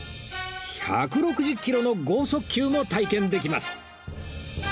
１６０キロの豪速球も体験できます